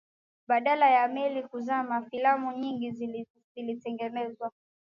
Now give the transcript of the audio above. baada ya meli hiyo kuzama filamu nyingi zilitengenezwa